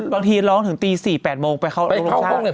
บางทีร้องถึงตี๔๘โมงไปเข้าโรงชาติ